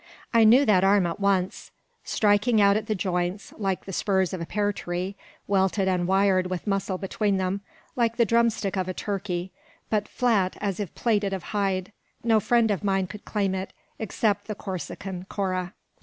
I knew that arm at once. Sticking out at the joints, like the spurs of a pear tree, welted and wired with muscle between them, like the drumstick of a turkey, but flat as if plaited of hide, no friend of mine could claim it, except the Corsican Cora.